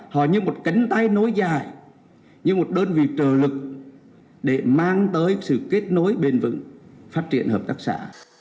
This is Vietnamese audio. họ như một cánh tay nối dài như một đơn vị trợ lực để mang tới sự kết nối bền vững phát triển hợp tác xã